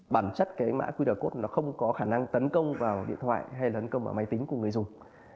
bản chất mã qr code không có khả năng tấn công vào điện thoại hay máy tính của người dùng